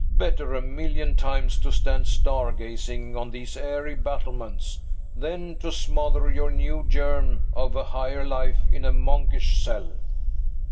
Better, a million times, to stand star gazing on these airy battlements, than to smother your new germ of a higher life in a monkish cell!"